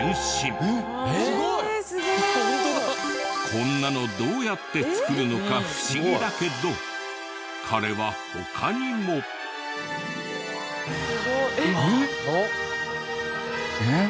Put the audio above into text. こんなのどうやって作るのか不思議だけど彼は他にも。えっ？